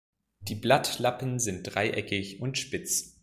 Die Blattlappen sind dreieckig und spitz.